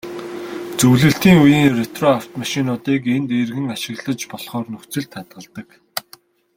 Зөвлөлтийн үеийн ретро автомашинуудыг энд эргэн ашиглаж болохоор нөхцөлд хадгалдаг.